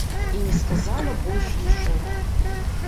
І не сказала больш нічога.